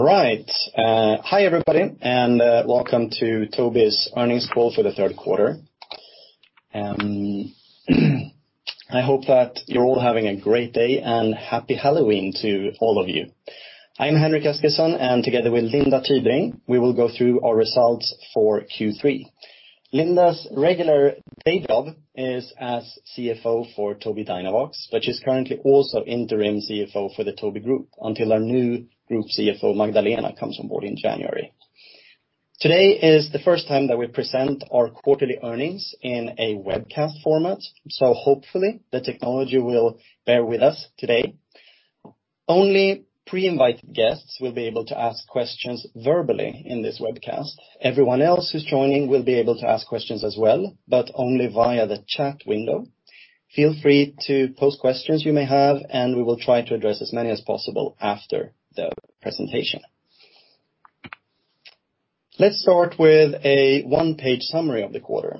Hi, everybody, welcome to Tobii's earnings call for the third quarter. I hope that you're all having a great day, and Happy Halloween to all of you. I'm Henrik Eskilsson, and together with Linda Tybring, we will go through our results for Q3. Linda's regular day job is as CFO for Tobii Dynavox, but she's currently also interim CFO for the Tobii Group until our new Group CFO, Magdalena, comes on board in January. Today is the first time that we present our quarterly earnings in a webcast format, so hopefully, the technology will bear with us today. Only pre-invited guests will be able to ask questions verbally in this webcast. Everyone else who's joining will be able to ask questions as well, but only via the chat window. Feel free to post questions you may have, and we will try to address as many as possible after the presentation. Let's start with a one-page summary of the quarter.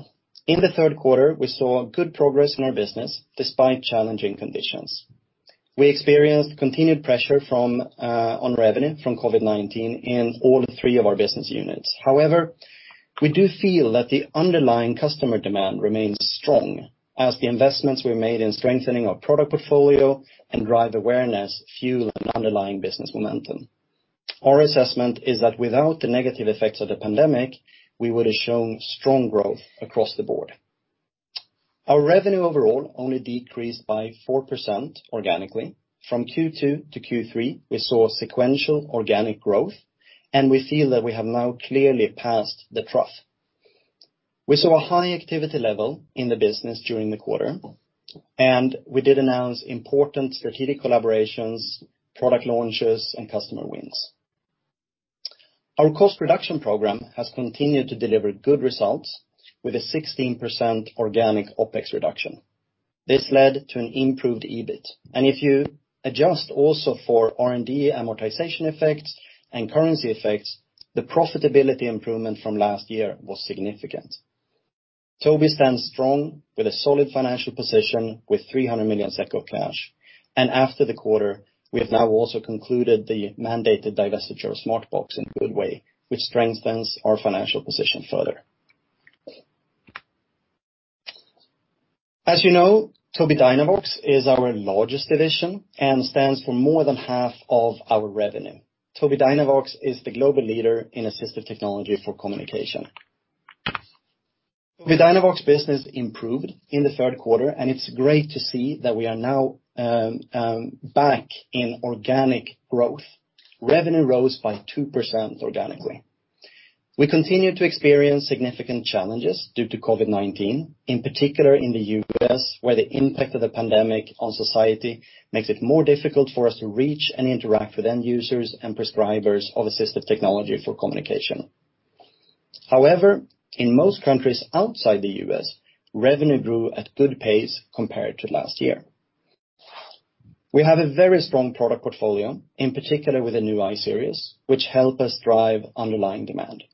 In the third quarter, we saw good progress in our business despite challenging conditions. We experienced continued pressure on revenue from COVID-19 in all three of our business units. We do feel that the underlying customer demand remains strong as the investments we made in strengthening our product portfolio and drive awareness fuel an underlying business momentum. Our assessment is that without the negative effects of the pandemic, we would've shown strong growth across the board. Our revenue overall only decreased by 4% organically. From Q2 to Q3, we saw sequential organic growth, we feel that we have now clearly passed the trough. We saw a high activity level in the business during the quarter, and we did announce important strategic collaborations, product launches, and customer wins. Our cost reduction program has continued to deliver good results with a 16% organic OPEX reduction. This led to an improved EBIT. If you adjust also for R&D amortization effects and currency effects, the profitability improvement from last year was significant. Tobii stands strong with a solid financial position with 300 million SEK of cash. After the quarter, we have now also concluded the mandated divestiture of Smartbox in a good way, which strengthens our financial position further. As you know, Tobii Dynavox is our largest division and stands for more than half of our revenue. Tobii Dynavox is the global leader in assistive technology for communication. The Dynavox business improved in the third quarter. It's great to see that we are now back in organic growth. Revenue rose by 2% organically. We continue to experience significant challenges due to COVID-19, in particular in the U.S., where the impact of the pandemic on society makes it more difficult for us to reach and interact with end users and prescribers of assistive technology for communication. However, in most countries outside the U.S., revenue grew at good pace compared to last year. We have a very strong product portfolio, in particular with the new I-Series, which help us drive underlying demand.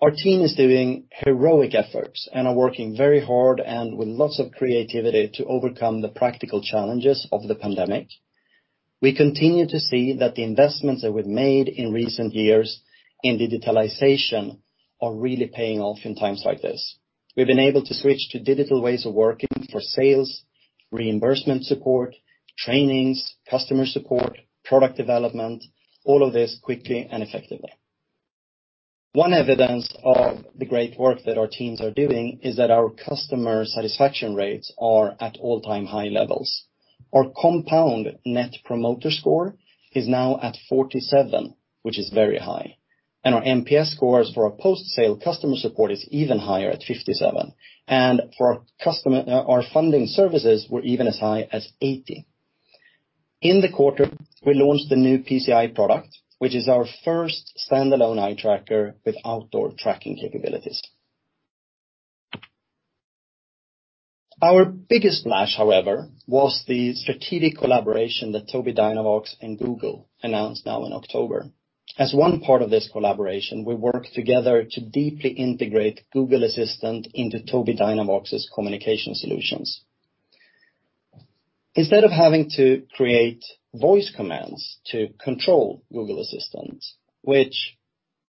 Our team is doing heroic efforts and are working very hard and with lots of creativity to overcome the practical challenges of the pandemic. We continue to see that the investments that we've made in recent years in digitalization are really paying off in times like this. We've been able to switch to digital ways of working for sales, reimbursement support, trainings, customer support, product development, all of this quickly and effectively. One evidence of the great work that our teams are doing is that our customer satisfaction rates are at all-time high levels. Our compound Net Promoter Score is now at 47, which is very high. Our NPS scores for our post-sale customer support is even higher at 57. For our funding services, we're even as high as 80. In the quarter, we launched the new PCEye product, which is our first standalone eye tracker with outdoor tracking capabilities. Our biggest splash, however, was the strategic collaboration that Tobii Dynavox and Google announced now in October. As one part of this collaboration, we work together to deeply integrate Google Assistant into Tobii Dynavox's communication solutions. Instead of having to create voice commands to control Google Assistant, which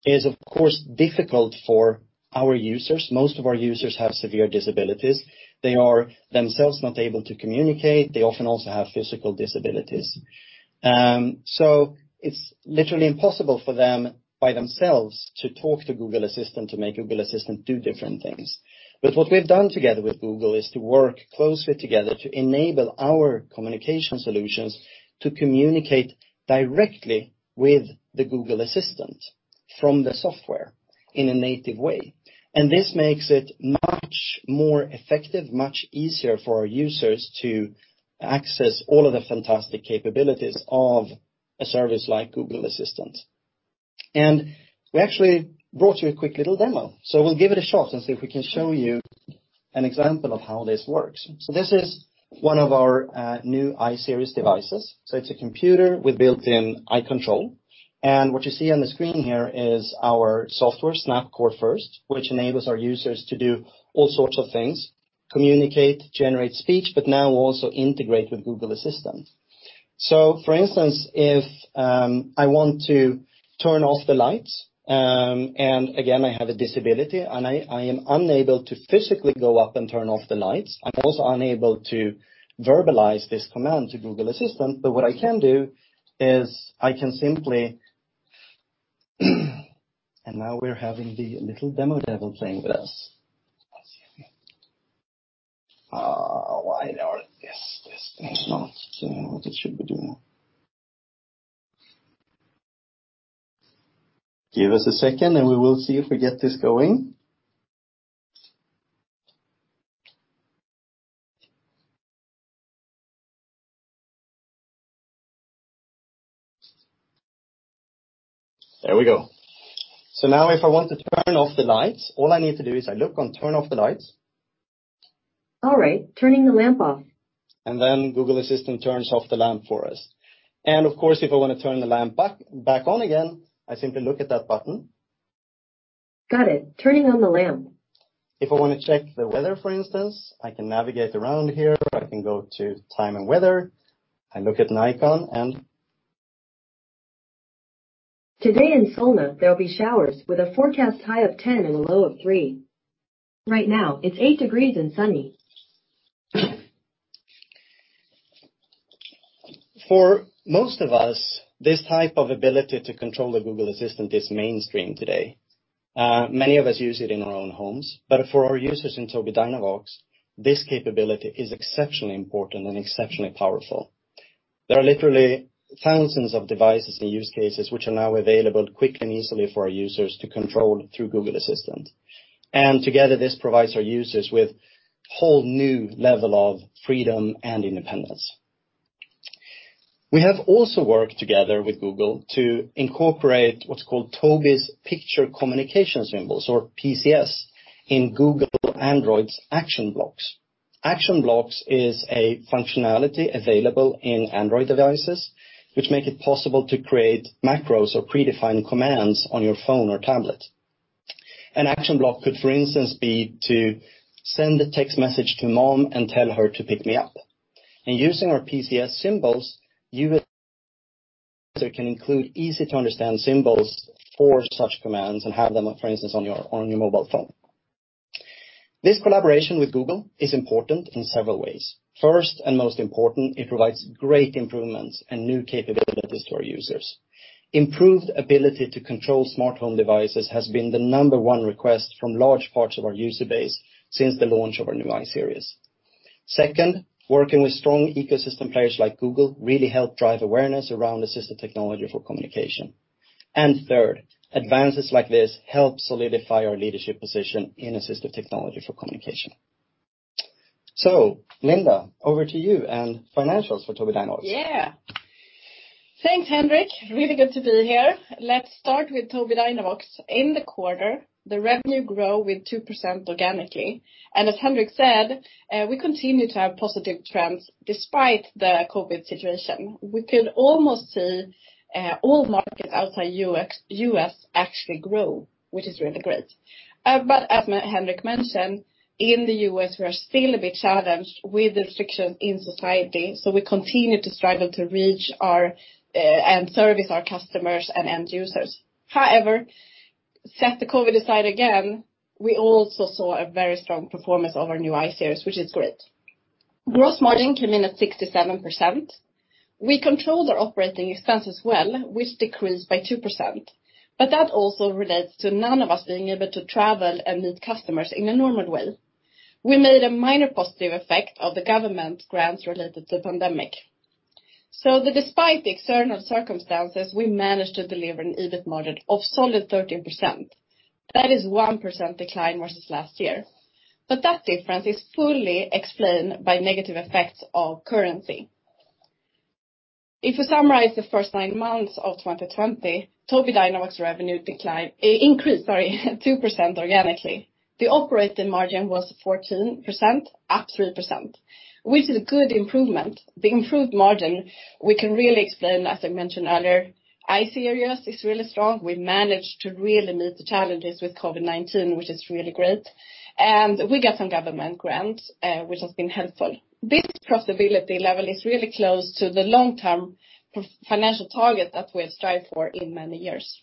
is, of course, difficult for our users. Most of our users have severe disabilities. They are themselves not able to communicate. They often also have physical disabilities. It's literally impossible for them by themselves to talk to Google Assistant to make Google Assistant do different things. What we've done together with Google is to work closely together to enable our communication solutions to communicate directly with the Google Assistant from the software in a native way. This makes it much more effective, much easier for our users to access all of the fantastic capabilities of a service like Google Assistant. We actually brought you a quick little demo. We'll give it a shot and see if we can show you an example of how this works. This is one of our new I-Series devices. It's a computer with built-in eye control. What you see on the screen here is our software, Snap Core First, which enables our users to do all sorts of things. Communicate, generate speech, but now also integrate with Google Assistant. For instance, if I want to turn off the lights, and again, I have a disability and I am unable to physically go up and turn off the lights. I'm also unable to verbalize this command to Google Assistant, but what I can do is I can simply. Now we're having the little demo devil playing with us. Why is this thing not doing what it should be doing? Give us a second, and we will see if we get this going. There we go. Now if I want to turn off the lights, all I need to do is I look on turn off the lights. All right. Turning the lamp off. Then Google Assistant turns off the lamp for us. Of course, if I want to turn the lamp back on again, I simply look at that button. Got it. Turning on the lamp. If I want to check the weather, for instance, I can navigate around here. I can go to time and weather. I look at an icon and Today in Solna, there will be showers with a forecast high of 10 and a low of three. Right now it's eight degrees and sunny. For most of us, this type of ability to control the Google Assistant is mainstream today. Many of us use it in our own homes. For our users in Tobii Dynavox, this capability is exceptionally important and exceptionally powerful. There are literally thousands of devices and use cases which are now available quickly and easily for our users to control through Google Assistant. Together, this provides our users with whole new level of freedom and independence. We have also worked together with Google to incorporate what's called Tobii's Picture Communication Symbols, or PCS, in Google Android's Action Blocks. Action Blocks is a functionality available in Android devices, which make it possible to create macros or predefined commands on your phone or tablet. An action block could, for instance, be to send a text message to mom and tell her to pick me up. In using our PCS symbols, it can include easy-to-understand symbols for such commands and have them, for instance, on your mobile phone. This collaboration with Google is important in several ways. First, and most important, it provides great improvements and new capabilities to our users. Improved ability to control smartphone devices has been the number one request from large parts of our user base since the launch of our new I-Series. Second, working with strong ecosystem players like Google really help drive awareness around assistive technology for communication. Third, advances like this help solidify our leadership position in assistive technology for communication. Linda, over to you and financials for Tobii Dynavox. Yeah. Thanks, Henrik. Really good to be here. Let's start with Tobii Dynavox. In the quarter, the revenue grow with 2% organically. As Henrik said, we continue to have positive trends despite the COVID situation. We could almost see all markets outside U.S. actually grow, which is really great. As Henrik mentioned, in the U.S., we are still a bit challenged with restrictions in society, so we continue to struggle to reach our, and service our customers and end users. However, set the COVID aside again, we also saw a very strong performance of our new I-Series, which is great. Gross margin came in at 67%. We controlled our operating expenses well, which decreased by 2%. That also relates to none of us being able to travel and meet customers in a normal way. We made a minor positive effect of the government grants related to the pandemic. Despite the external circumstances, we managed to deliver an EBIT margin of solid 13%. That is 1% decline versus last year. That difference is fully explained by negative effects of currency. If we summarize the first nine months of 2020, Tobii Dynavox revenue increased 2% organically. The operating margin was 14%, up 3%, which is a good improvement. The improved margin, we can really explain, as I mentioned earlier, I-Series is really strong. We managed to really meet the challenges with COVID-19, which is really great. We got some government grants, which has been helpful. This profitability level is really close to the long-term financial target that we have strived for in many years.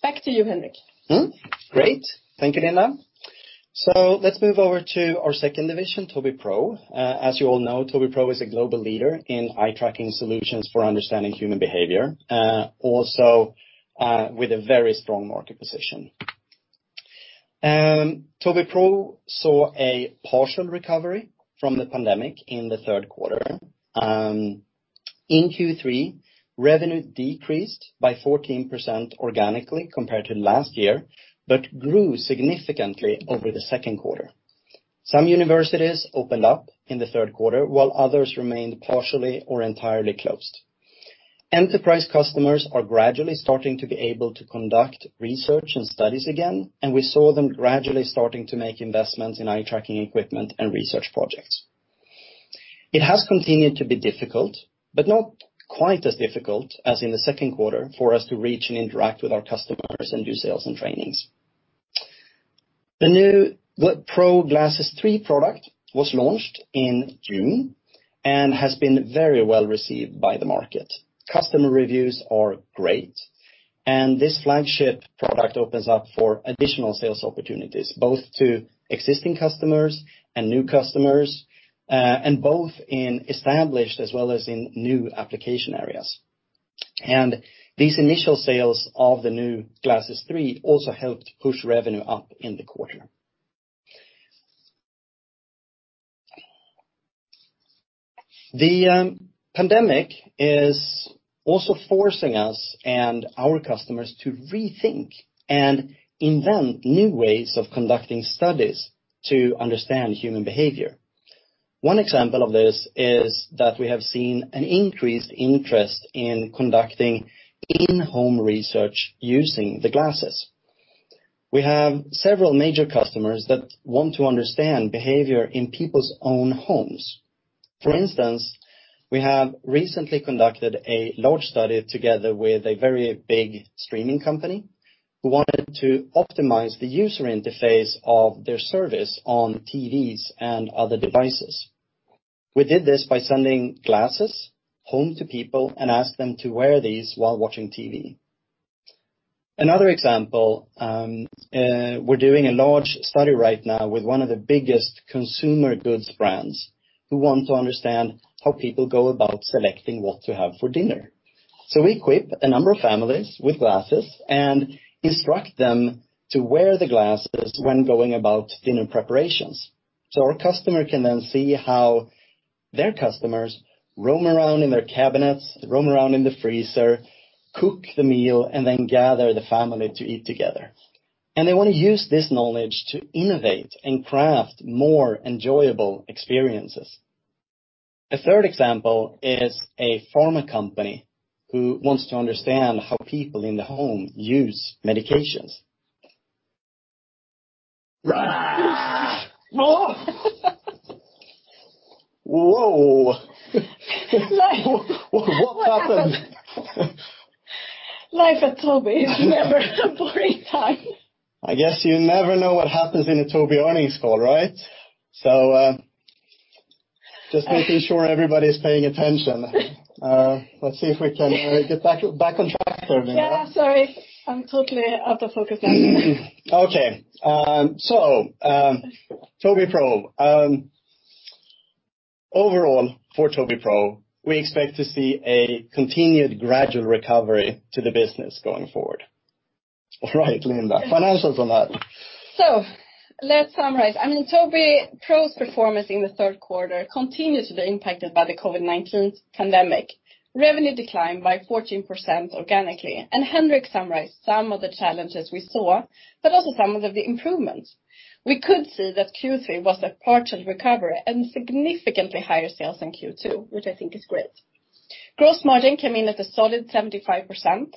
Back to you, Henrik. Great. Thank you, Linda. Let's move over to our second division, Tobii Pro. As you all know, Tobii Pro is a global leader in eye tracking solutions for understanding human behavior, also with a very strong market position. Tobii Pro saw a partial recovery from the pandemic in the third quarter. In Q3, revenue decreased by 14% organically compared to last year, but grew significantly over the second quarter. Some universities opened up in the third quarter, while others remained partially or entirely closed. Enterprise customers are gradually starting to be able to conduct research and studies again, and we saw them gradually starting to make investments in eye tracking equipment and research projects. It has continued to be difficult, but not quite as difficult as in the second quarter for us to reach and interact with our customers and do sales and trainings. The new Pro Glasses 3 product was launched in June and has been very well-received by the market. Customer reviews are great, this flagship product opens up for additional sales opportunities, both to existing customers and new customers, and both in established as well as in new application areas. These initial sales of the new Glasses 3 also helped push revenue up in the quarter. The pandemic is also forcing us and our customers to rethink and invent new ways of conducting studies to understand human behavior. One example of this is that we have seen an increased interest in conducting in-home research using the glasses. We have several major customers that want to understand behavior in people's own homes. For instance, we have recently conducted a large study together with a very big streaming company who wanted to optimize the user interface of their service on TVs and other devices. We did this by sending glasses home to people and asked them to wear these while watching TV. Another example, we're doing a large study right now with one of the biggest consumer goods brands who want to understand how people go about selecting what to have for dinner. We equip a number of families with glasses and instruct them to wear the glasses when going about dinner preparations. Our customer can then see how their customers roam around in their cabinets, roam around in the freezer, cook the meal, and then gather the family to eat together. They want to use this knowledge to innovate and craft more enjoyable experiences. A third example is a pharma company who wants to understand how people in the home use medications. Whoa. Whoa. Life- What happened? Life at Tobii is never a boring time. I guess you never know what happens in a Tobii earnings call, right? Just making sure everybody's paying attention. Let's see if we can get back on track, Linda. Yeah, sorry. I'm totally out of focus now. Okay. Tobii Pro. Overall, for Tobii Pro, we expect to see a continued gradual recovery to the business going forward. All right, Linda, financials on that. Let's summarize. I mean, Tobii Pro's performance in the third quarter continued to be impacted by the COVID-19 pandemic. Revenue declined by 14% organically, and Henrik summarized some of the challenges we saw, but also some of the improvements. We could see that Q3 was a partial recovery and significantly higher sales than Q2, which I think is great. Gross margin came in at a solid 75%.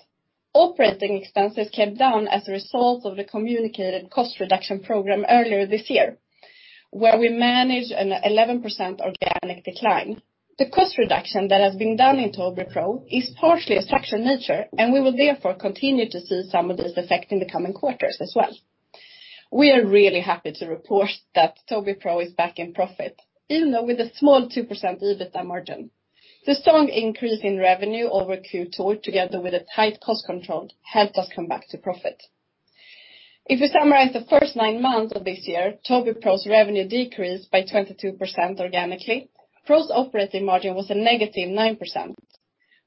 Operating expenses came down as a result of the communicated cost reduction program earlier this year, where we managed an 11% organic decline. The cost reduction that has been done in Tobii Pro is partially a structural nature, and we will therefore continue to see some of this effect in the coming quarters as well. We are really happy to report that Tobii Pro is back in profit, even though with a small 2% EBITDA margin. The strong increase in revenue over Q2, together with a tight cost control, helped us come back to profit. If we summarize the first nine months of this year, Tobii Pro's revenue decreased by 22% organically. Pro's operating margin was a negative 9%,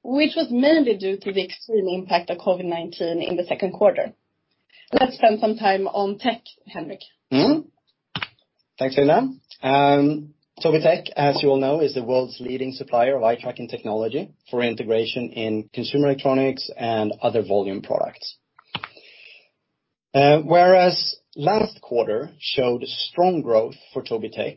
which was mainly due to the extreme impact of COVID-19 in the second quarter. Let's spend some time on Tech, Henrik. Thanks, Linda. Tobii Tech, as you all know, is the world's leading supplier of eye-tracking technology for integration in consumer electronics and other volume products. Whereas last quarter showed strong growth for Tobii Tech,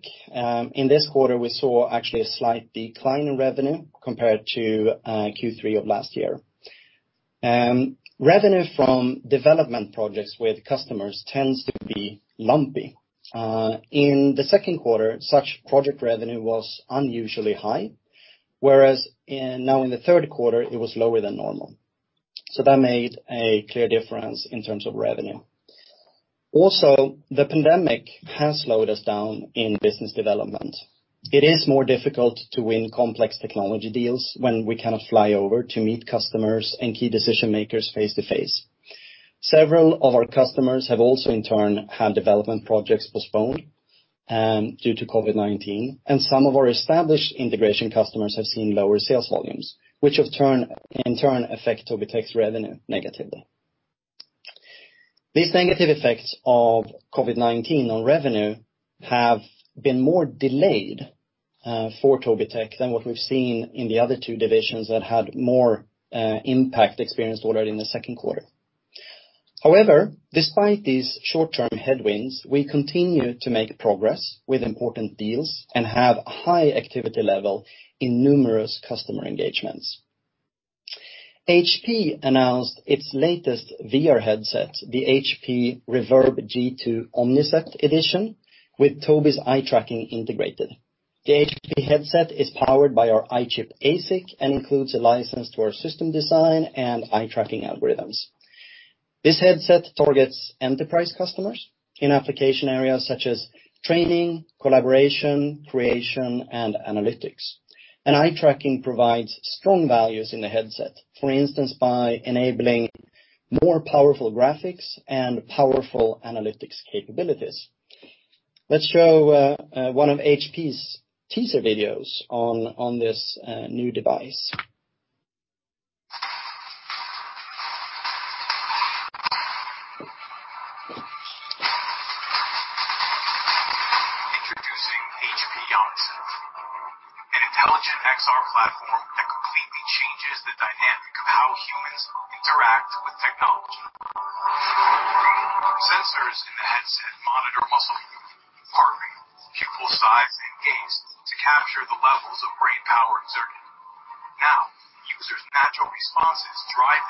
in this quarter, we saw actually a slight decline in revenue compared to Q3 of last year. Revenue from development projects with customers tends to be lumpy. In the second quarter, such project revenue was unusually high, whereas now in the third quarter, it was lower than normal. That made a clear difference in terms of revenue. Also, the pandemic has slowed us down in business development. It is more difficult to win complex technology deals when we cannot fly over to meet customers and key decision-makers face to face. Several of our customers have also, in turn, had development projects postponed due to COVID-19, and some of our established integration customers have seen lower sales volumes, which in turn affect Tobii Tech's revenue negatively. These negative effects of COVID-19 on revenue have been more delayed for Tobii Tech than what we've seen in the other two divisions that had more impact experienced already in the second quarter. Despite these short-term headwinds, we continue to make progress with important deals and have a high activity level in numerous customer engagements. HP announced its latest VR headset, the HP Reverb G2 Omnicept Edition, with Tobii's eye tracking integrated. The HP headset is powered by our EyeChip ASIC and includes a license to our system design and eye tracking algorithms. This headset targets enterprise customers in application areas such as training, collaboration, creation, and analytics. Eye tracking provides strong values in the headset. For instance, by enabling more powerful graphics and powerful analytics capabilities. Let's show one of HP's teaser videos on this new device.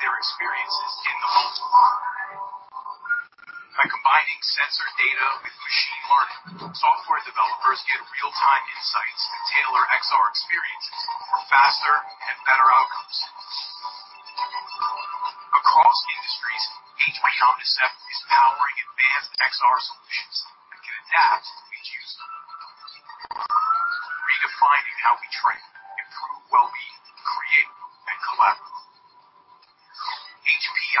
Introducing HP Omnicept, an intelligent XR platform that completely changes the dynamic of how humans interact with technology. Sensors in the headset monitor muscle movement, heart rate, pupil size, and gaze to capture the levels of brain power exerted. Now, users' natural responses drive their experiences in the most honoring. By combining sensor data with machine learning, software developers get real-time insights to tailor XR experiences for faster and better outcomes. Across industries, HP Omnicept is powering advanced XR solutions that can adapt with you. Redefining how we train, improve wellbeing, create, and collaborate.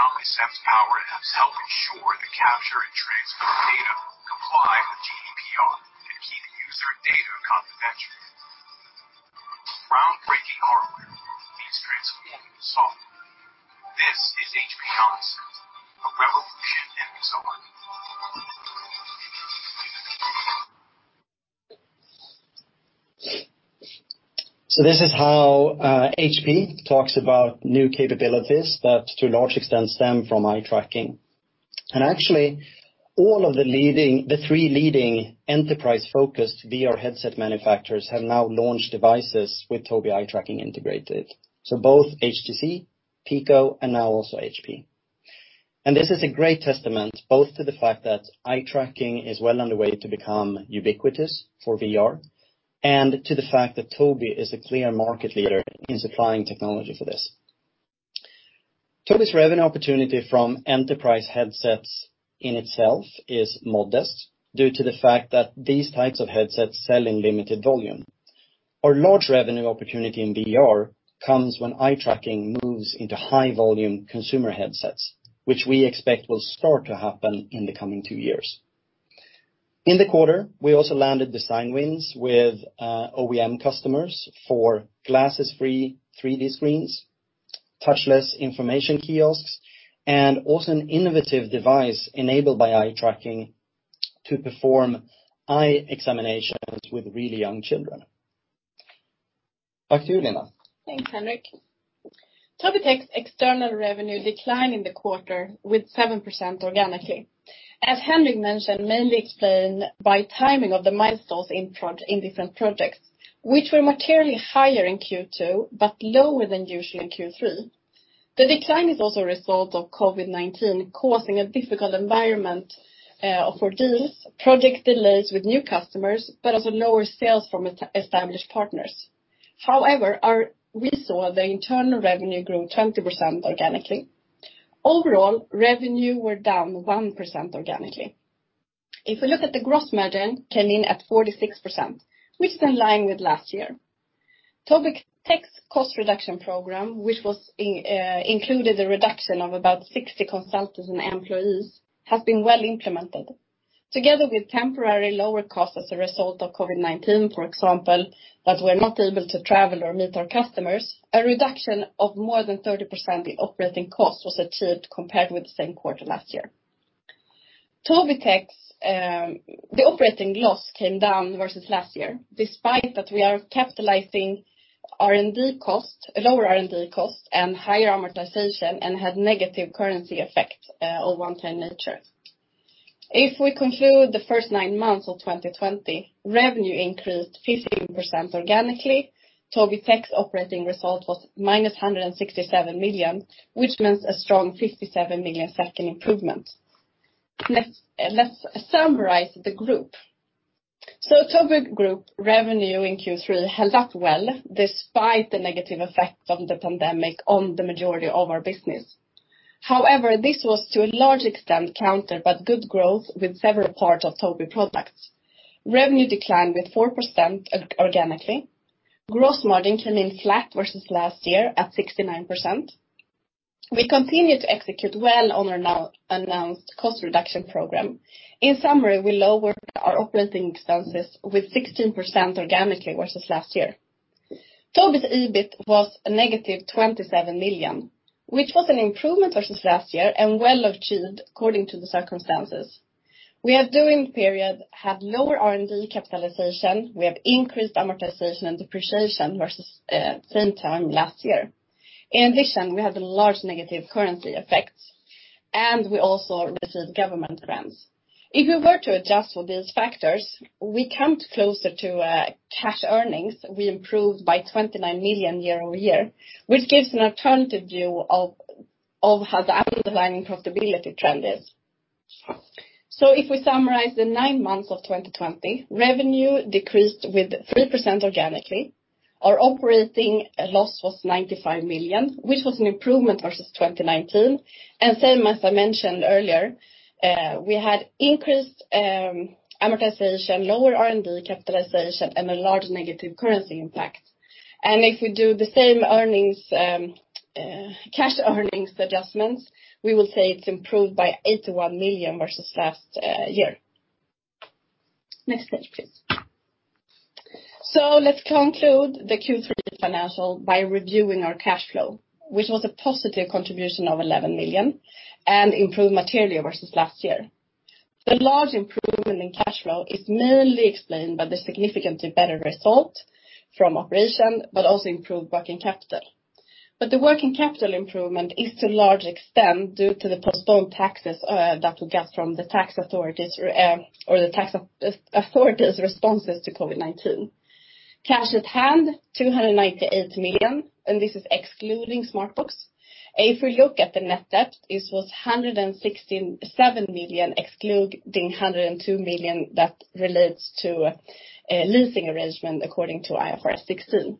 HP Omnicept's power has helped ensure the capture and transfer of data comply with GDPR and keep user data confidential. Groundbreaking hardware is transforming software. This is HP Omnicept, a revolution in XR. This is how HP talks about new capabilities that to a large extent stem from eye tracking. Actually, all of the three leading enterprise-focused VR headset manufacturers have now launched devices with Tobii eye tracking integrated. Both HTC, Pico, and now also HP. This is a great testament, both to the fact that eye tracking is well on the way to become ubiquitous for VR and to the fact that Tobii is a clear market leader in supplying technology for this. Tobii's revenue opportunity from enterprise headsets in itself is modest due to the fact that these types of headsets sell in limited volume. Our large revenue opportunity in VR comes when eye tracking moves into high-volume consumer headsets, which we expect will start to happen in the coming two years. In the quarter, we also landed design wins with OEM customers for glasses-free 3D screens, touchless information kiosks, and also an innovative device enabled by eye tracking to perform eye examinations with really young children. Back to you, Linda. Thanks, Henrik. Tobii Tech's external revenue declined in the quarter with 7% organically. As Henrik mentioned, mainly explained by timing of the milestones in different projects, which were materially higher in Q2 but lower than usual in Q3. The decline is also a result of COVID-19 causing a difficult environment, for deals, project delays with new customers, but also lower sales from established partners. We saw the internal revenue grow 20% organically. Overall, revenue were down 1% organically. If we look at the gross margin, came in at 46%, which is in line with last year. Tobii Tech's cost reduction program, which included the reduction of about 60 consultants and employees, has been well implemented. Together with temporarily lower costs as a result of COVID-19, for example, that we're not able to travel or meet our customers, a reduction of more than 30% in operating costs was achieved compared with the same quarter last year. The operating loss came down versus last year, despite that we are capitalizing lower R&D costs and higher amortization and had negative currency effect of one-time nature. If we conclude the first nine months of 2020, revenue increased 15% organically. Tobii Tech's operating result was minus 167 million, which means a strong 57 million improvement. Let's summarize the group. Tobii Group revenue in Q3 held up well despite the negative effect of the pandemic on the majority of our business. However, this was to a large extent countered by good growth with several parts of Tobii products. Revenue declined with 4% organically. Gross margin came in flat versus last year at 69%. We continue to execute well on our now announced cost reduction program. In summary, we lowered our operating expenses with 16% organically versus last year. Tobii's EBIT was a negative 27 million, which was an improvement versus last year and well achieved according to the circumstances. We have, during the period, had lower R&D capitalization. We have increased amortization and depreciation versus same time last year. We had a large negative currency effect. We also received government grants. If we were to adjust for these factors, we come closer to cash earnings. We improved by 29 million year-over-year, which gives an alternative view of how the underlying profitability trend is. If we summarize the nine months of 2020, revenue decreased with 3% organically. Our operating loss was 95 million, which was an improvement versus 2019. Same as I mentioned earlier, we had increased amortization, lower R&D capitalization, and a large negative currency impact. If we do the same cash earnings adjustments, we will say it's improved by 81 million versus last year. Next page, please. Let's conclude the Q3 financial by reviewing our cash flow, which was a positive contribution of 11 million and improved materially versus last year. The large improvement in cash flow is mainly explained by the significantly better result from operations, but also improved working capital. The working capital improvement is to a large extent due to the postponed taxes, that we got from the tax authorities, or the tax authorities responses to COVID-19. Cash at hand, 298 million, and this is excluding Smartbox. If we look at the net debt, it was 167 million, excluding 102 million that relates to a leasing arrangement according to IFRS 16.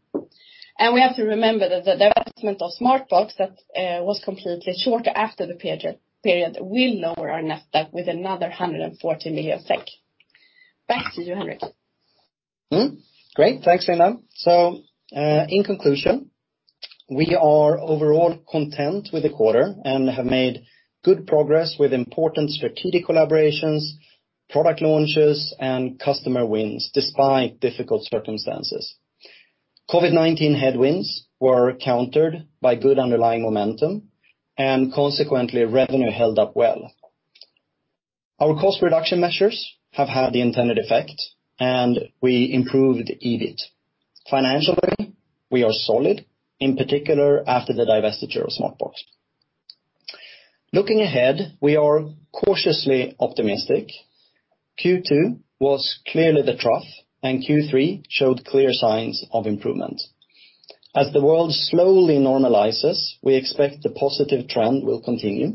We have to remember that the development of Smartbox that was completely short after the period will lower our net debt with another 140 million SEK. Back to you, Henrik. Great. Thanks, Linda. In conclusion, we are overall content with the quarter and have made good progress with important strategic collaborations, product launches, and customer wins, despite difficult circumstances. COVID-19 headwinds were countered by good underlying momentum, consequently, revenue held up well. Our cost reduction measures have had the intended effect, we improved EBIT. Financially, we are solid, in particular after the divestiture of Smartbox. Looking ahead, we are cautiously optimistic. Q2 was clearly the trough, Q3 showed clear signs of improvement. As the world slowly normalizes, we expect the positive trend will continue.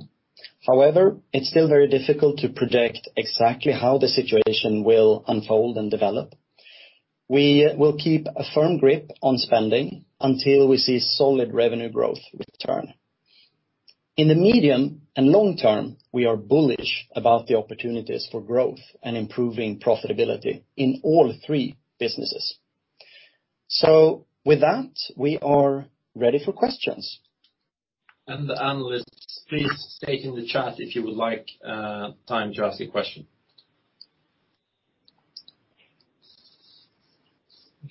It's still very difficult to predict exactly how the situation will unfold and develop. We will keep a firm grip on spending until we see solid revenue growth return. In the medium and long term, we are bullish about the opportunities for growth and improving profitability in all three businesses. With that, we are ready for questions. The analysts, please state in the chat if you would like time to ask a question.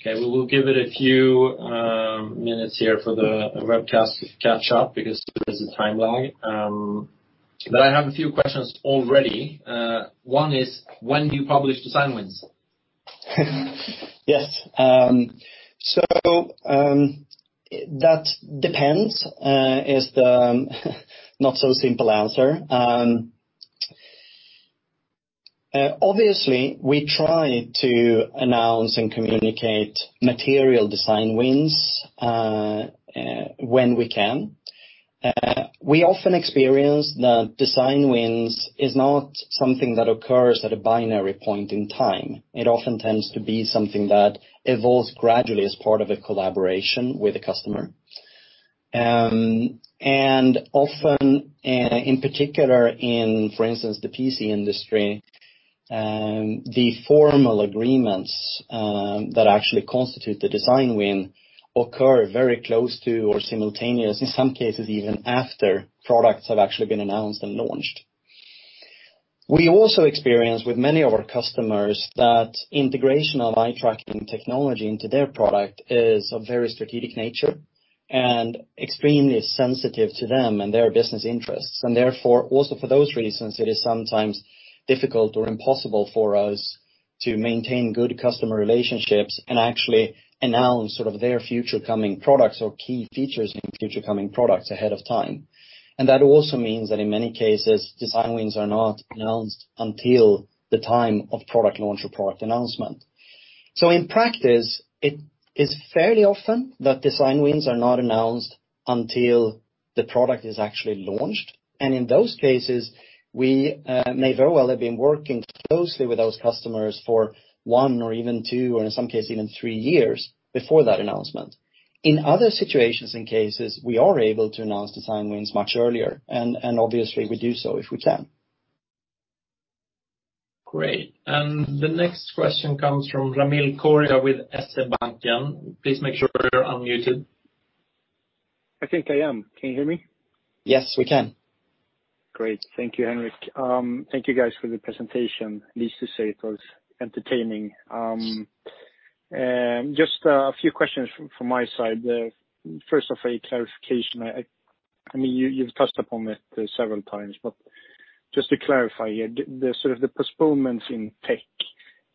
We will give it a few minutes here for the webcast to catch up because there's a time lag. I have a few questions already. One is, when do you publish design wins? Yes. That depends, is the not so simple answer. Obviously, we try to announce and communicate material design wins when we can. We often experience that design wins is not something that occurs at a binary point in time. It often tends to be something that evolves gradually as part of a collaboration with a customer. Often, in particular in, for instance, the PC industry, the formal agreements that actually constitute the design win occur very close to or simultaneous, in some cases even after products have actually been announced and launched. We also experience with many of our customers that integration of eye tracking technology into their product is of very strategic nature and extremely sensitive to them and their business interests. Therefore, also for those reasons, it is sometimes difficult or impossible for us to maintain good customer relationships and actually announce sort of their future coming products or key features in future coming products ahead of time. That also means that in many cases, design wins are not announced until the time of product launch or product announcement. In practice, it is fairly often that design wins are not announced until the product is actually launched. In those cases, we may very well have been working closely with those customers for one or even two, or in some cases even three years before that announcement. In other situations and cases, we are able to announce design wins much earlier, and obviously we do so if we can. Great. The next question comes from Ramil Koria with SEB. Please make sure you are unmuted. I think I am. Can you hear me? Yes, we can. Great. Thank you, Henrik. Thank you guys for the presentation. Needless to say, it was entertaining. Just a few questions from my side. First off, a clarification. You've touched upon it several times, but just to clarify here, the sort of the postponements in tech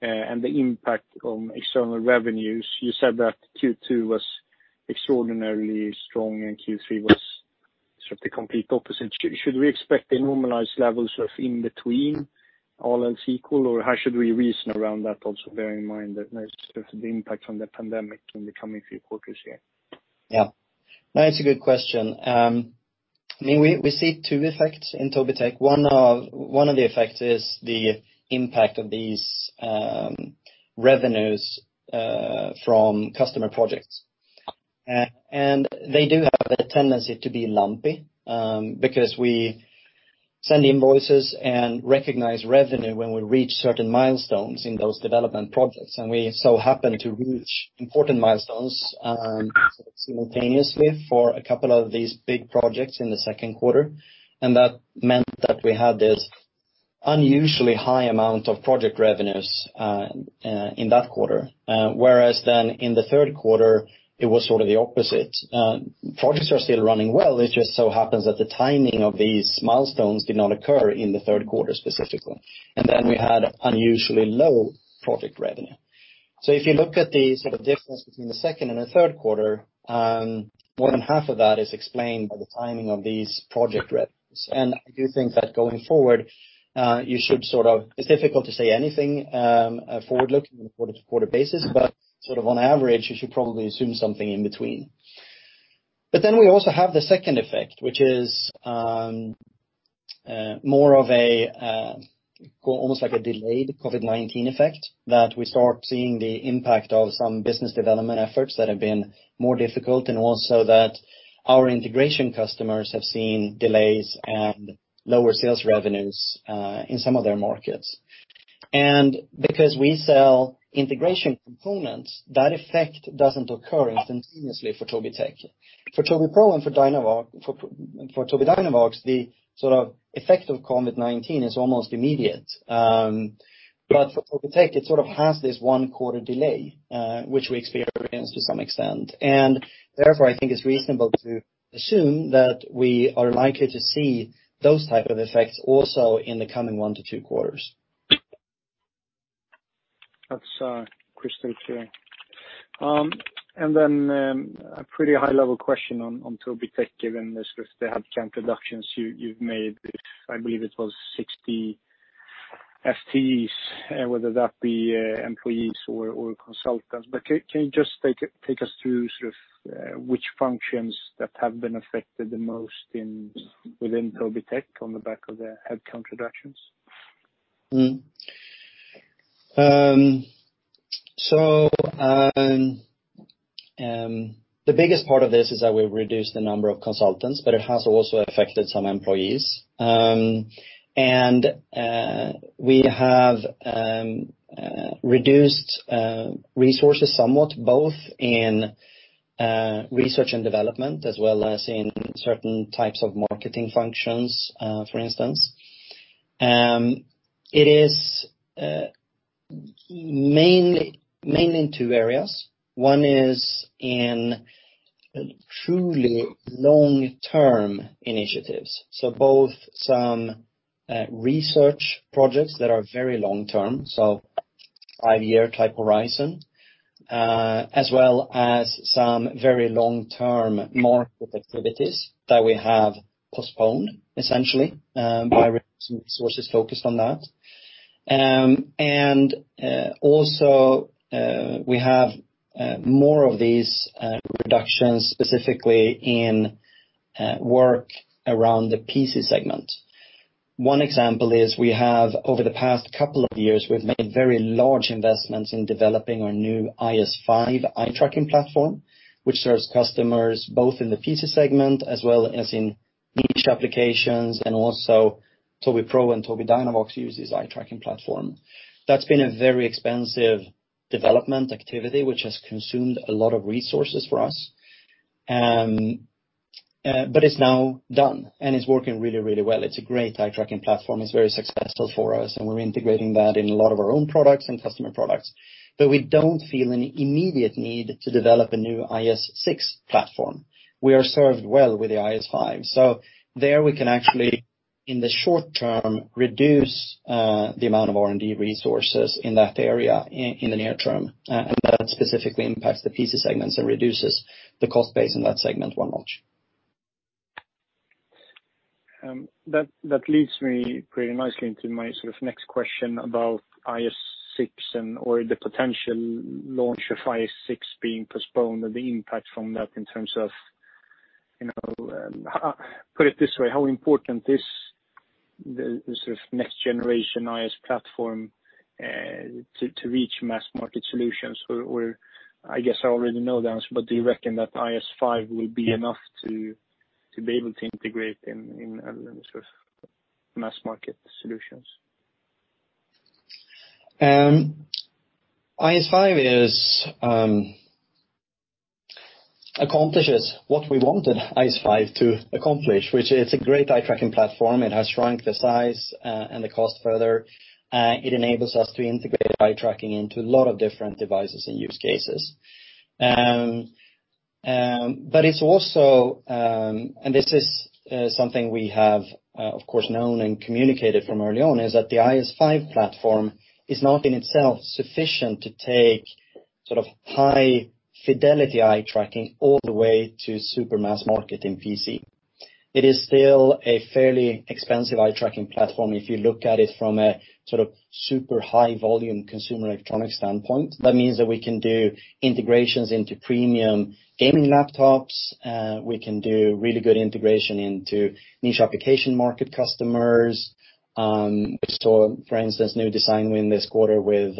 and the impact on external revenues. You said that Q2 was extraordinarily strong, and Q3 was sort of the complete opposite. Should we expect the normalized levels of in between all else equal, or how should we reason around that also bearing in mind that there's the impact from the pandemic in the coming few quarters here? Yeah. No, it's a good question. We see two effects in Tobii Tech. One of the effects is the impact of these revenues from customer projects. They do have a tendency to be lumpy, because we send invoices and recognize revenue when we reach certain milestones in those development projects. We so happen to reach important milestones simultaneously for a couple of these big projects in the second quarter. That meant that we had this unusually high amount of project revenues in that quarter. In the third quarter, it was sort of the opposite. Projects are still running well. It just so happens that the timing of these milestones did not occur in the third quarter specifically. We had unusually low project revenue. If you look at the sort of difference between the second and the third quarter, more than half of that is explained by the timing of these project revenues. I do think that going forward, it's difficult to say anything forward-looking on a quarter-over-quarter basis, sort of on average, you should probably assume something in between. We also have the second effect, which is more of almost like a delayed COVID-19 effect, that we start seeing the impact of some business development efforts that have been more difficult, and also that our integration customers have seen delays and lower sales revenues in some of their markets. Because we sell integration components, that effect doesn't occur instantaneously for Tobii Tech. For Tobii Pro and for Tobii Dynavox, the sort of effect of COVID-19 is almost immediate. For Tobii Tech, it sort of has this one-quarter delay, which we experience to some extent. Therefore, I think it's reasonable to assume that we are likely to see those type of effects also in the coming one to two quarters. That's crystal clear. A pretty high-level question on Tobii Tech, given the headcount reductions you've made. I believe it was 60 FTEs, whether that be employees or consultants. Can you just take us through sort of which functions that have been affected the most within Tobii Tech on the back of the headcount reductions? The biggest part of this is that we've reduced the number of consultants, but it has also affected some employees. We have reduced resources somewhat, both in research and development, as well as in certain types of marketing functions, for instance. It is mainly in two areas. One is in truly long-term initiatives. Both some research projects that are very long-term, five-year type horizon, as well as some very long-term market activities that we have postponed, essentially, by reducing resources focused on that. Also, we have more of these reductions specifically in work around the PC segment. One example is we have over the past couple of years, we've made very large investments in developing our new IS5 eye-tracking platform, which serves customers both in the PC segment as well as in niche applications and also Tobii Pro and Tobii Dynavox use this eye-tracking platform. That's been a very expensive development activity, which has consumed a lot of resources for us. It's now done, and it's working really well. It's a great eye-tracking platform. It's very successful for us, and we're integrating that in a lot of our own products and customer products. We don't feel an immediate need to develop a new IS6 platform. We are served well with the IS5. There we can actually, in the short term, reduce the amount of R&D resources in that area in the near term, and that specifically impacts the PC segments and reduces the cost base in that segment one notch. That leads me pretty nicely into my sort of next question about IS6 and/or the potential launch of IS6 being postponed and the impact from that. Put it this way, how important is this next generation IS platform to reach mass market solutions? I guess I already know the answer, but do you reckon that IS5 will be enough to be able to integrate in mass market solutions? IS5 accomplishes what we wanted IS5 to accomplish, which it's a great eye-tracking platform. It has shrunk the size and the cost further. It enables us to integrate eye-tracking into a lot of different devices and use cases. It's also, and this is something we have, of course, known and communicated from early on, is that the IS5 platform is not in itself sufficient to take high-fidelity eye tracking all the way to super mass market in PC. It is still a fairly expensive eye-tracking platform if you look at it from a super high volume consumer electronic standpoint. That means that we can do integrations into premium gaming laptops, we can do really good integration into niche application market customers. We saw, for instance, new design win this quarter with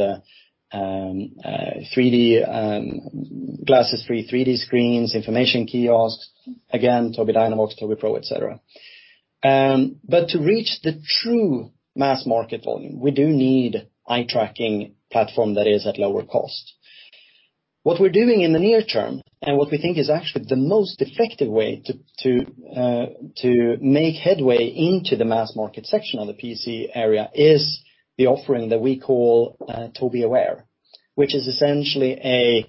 glasses-free 3D screens, information kiosks, again, Tobii Dynavox, Tobii Pro, et cetera. To reach the true mass market volume, we do need eye-tracking platform that is at lower cost. What we're doing in the near term, and what we think is actually the most effective way to make headway into the mass market section of the PC area, is the offering that we call Tobii Aware, which is essentially a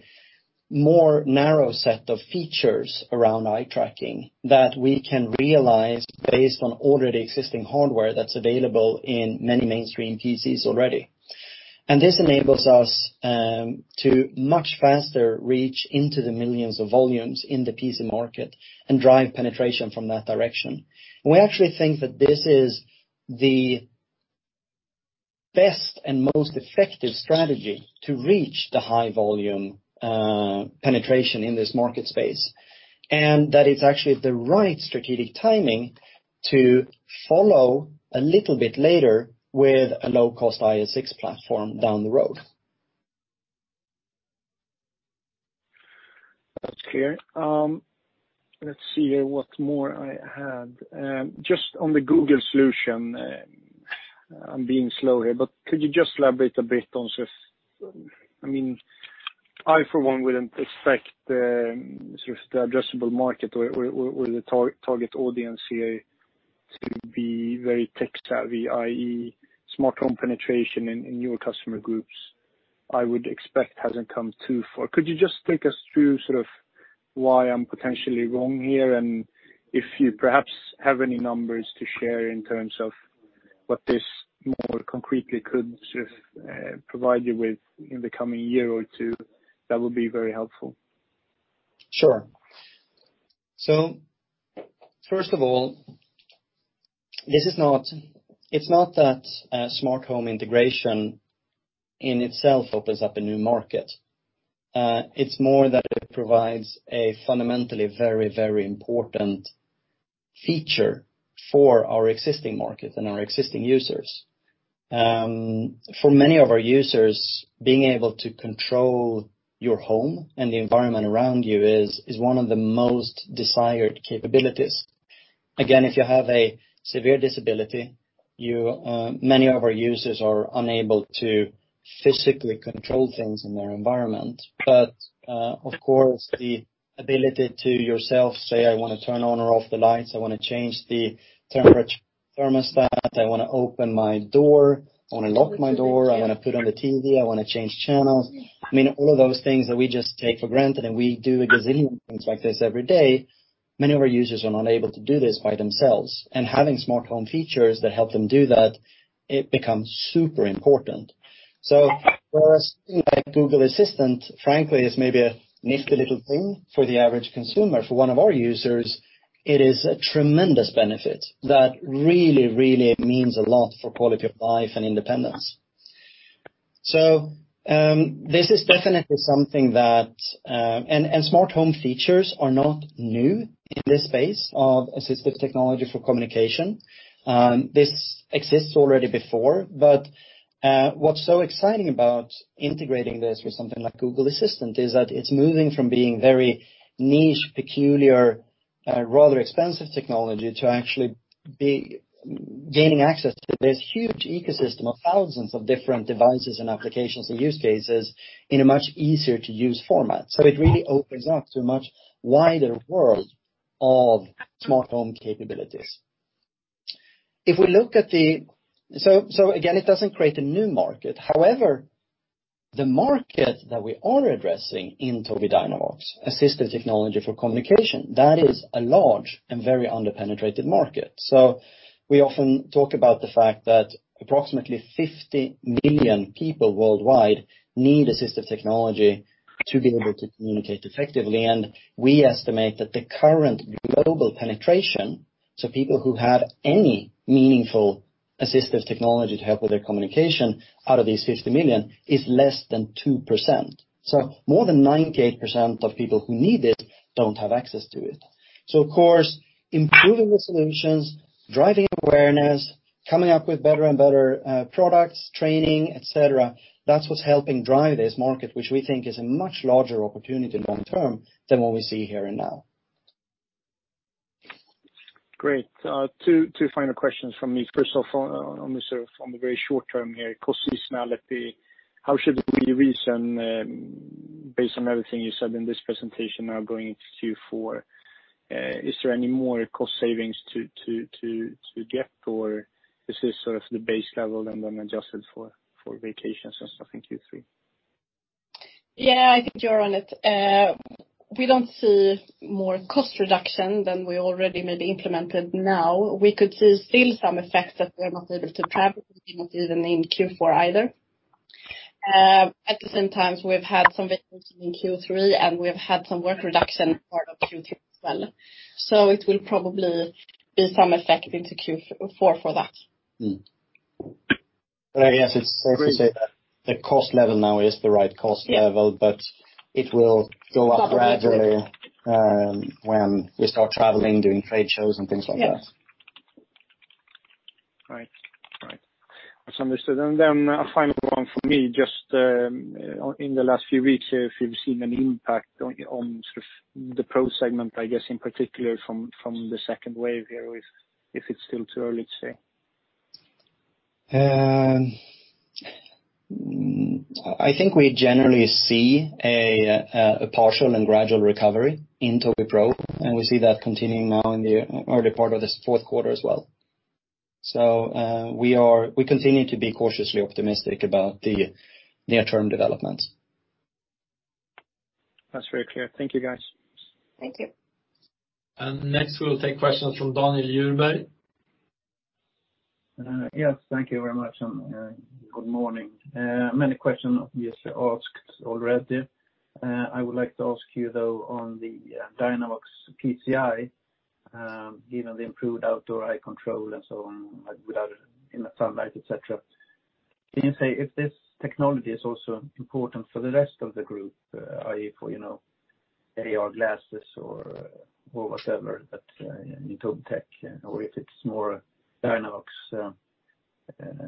more narrow set of features around eye tracking that we can realize based on already existing hardware that's available in many mainstream PCs already. This enables us to much faster reach into the millions of volumes in the PC market and drive penetration from that direction. We actually think that this is the best and most effective strategy to reach the high volume penetration in this market space, and that it's actually the right strategic timing to follow a little bit later with a low-cost IS6 platform down the road. That's clear. Let's see what more I had. Could you just elaborate a bit on, I for one wouldn't expect the addressable market or where the target audience here to be very tech-savvy, i.e., smart home penetration in newer customer groups, I would expect hasn't come too far. Could you just take us through why I'm potentially wrong here? If you perhaps have any numbers to share in terms of what this more concretely could provide you with in the coming year or two, that would be very helpful. Sure. First of all, it's not that smart home integration in itself opens up a new market. It's more that it provides a fundamentally very important feature for our existing market and our existing users. For many of our users, being able to control your home and the environment around you is one of the most desired capabilities. Again, if you have a severe disability, many of our users are unable to physically control things in their environment. Of course, the ability to yourself say, "I want to turn on or off the lights, I want to change the thermostat, I want to open my door, I want to lock my door, I want to put on the TV, I want to change channels." I mean, all of those things that we just take for granted, and we do a gazillion things like this every day, many of our users are not able to do this by themselves. Having smart home features that help them do that, it becomes super important. Whereas something like Google Assistant, frankly, is maybe a nifty little thing for the average consumer. For one of our users, it is a tremendous benefit that really means a lot for quality of life and independence. This is definitely something and smart home features are not new in this space of assistive technology for communication. This exists already before, what's so exciting about integrating this with something like Google Assistant is that it's moving from being very niche, peculiar, rather expensive technology to actually gaining access to this huge ecosystem of thousands of different devices and applications and use cases in a much easier-to-use format. It really opens up to a much wider world of smart home capabilities. Again, it doesn't create a new market. However, the market that we are addressing in Tobii Dynavox, assistive technology for communication, that is a large and very under-penetrated market. We often talk about the fact that approximately 50 million people worldwide need assistive technology to be able to communicate effectively, and we estimate that the current global penetration, so people who have any meaningful assistive technology to help with their communication out of these 50 million, is less than 2%. More than 98% of people who need it don't have access to it. Of course, improving the solutions, driving awareness, coming up with better and better products, training, et cetera, that's what's helping drive this market, which we think is a much larger opportunity long term than what we see here and now. Great. Two final questions from me. First off, on the very short term here, cost seasonality, how should we reason based on everything you said in this presentation now going into Q4? Is there any more cost savings to get, or is this sort of the base level and then adjusted for vacations and stuff in Q3? Yeah, I think you're on it. We don't see more cost reduction than we already made implemented now. We could see still some effects that we are not able to track. We did not see them in Q4 either. At the same time, we've had some vacations in Q3, and we've had some work reduction part of Q3 as well. It will probably be some effect into Q4 for that. I guess it's safe to say that the cost level now is the right cost level. Yeah It will go up gradually when we start traveling, doing trade shows and things like that. Yes. Right. That's understood. A final one from me, just in the last few weeks, if you've seen an impact on the Pro segment, I guess in particular from the second wave here, or if it's still too early to say? I think we generally see a partial and gradual recovery in Tobii Pro, and we see that continuing now in the early part of this fourth quarter as well. We continue to be cautiously optimistic about the near-term developments. That's very clear. Thank you, guys. Thank you. Next we'll take questions from Daniel Djurberg. Yes, thank you very much. Good morning. Many questions obviously asked already. I would like to ask you, though, on the Dynavox PCEye, given the improved outdoor eye control and so on, like without in the sunlight, et cetera. Can you say if this technology is also important for the rest of the group? I.e., for AR glasses or whatever that in Tobii Tech, or if it's more Dynavox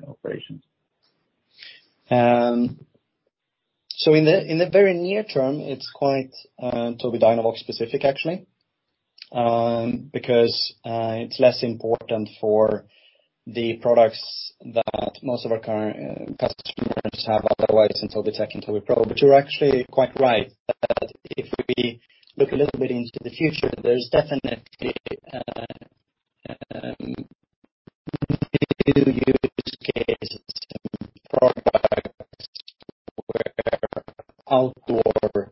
operations. In the very near term, it's quite Tobii Dynavox specific actually, because it's less important for the products that most of our current customers have otherwise in Tobii Tech and Tobii Pro. You're actually quite right that if we look a little bit into the future, there's definitely new use cases and products where outdoor